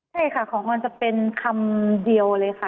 ใช่ค่ะของมันจะเป็นคำเดียวเลยค่ะ